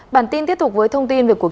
bản tin tiếp tục với thông tin về cuộc